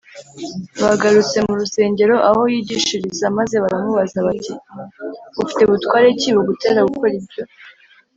bagarutse mu rusengero aho yigishirizaga, maze baramubaza bati: ‘ufite butware ki bugutera gukora ibyo?